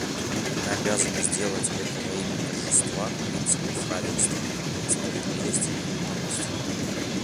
Мы обязаны сделать это во имя торжества принципов равенства, справедливости и гуманности.